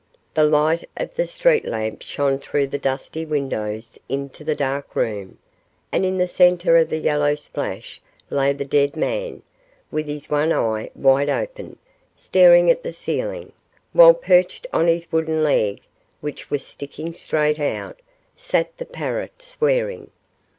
The light of the street lamp shone through the dusty windows into the dark room, and in the centre of the yellow splash lay the dead man, with his one eye wide open, staring at the ceiling, while perched on his wooden leg, which was sticking straight out, sat the parrot, swearing.